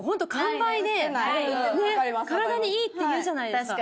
体にいいって言うじゃないですか。